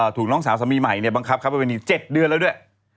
ถูกน้องสาวสามีใหม่เนี่ยบังคับครับว่าวันนี้๗เดือนแล้วด้วย